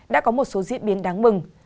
đã có một số diễn biến đáng mừng